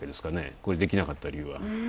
これできなかった理由は。